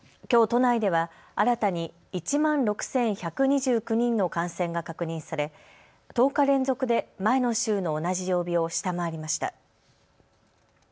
きょう都内では新たに１万６１２９人の感染が確認され１０日連続で前の週の同じ曜日を下回りました。